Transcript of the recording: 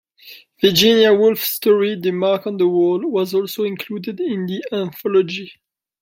Virginia Woolf's story "The Mark on the Wall" was also included in the anthology.